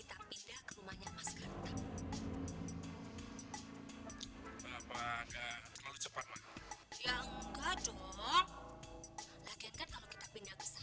turun disini kan sekolah sampai masih jauh tapi enggak bapak deh si turun disini aja ya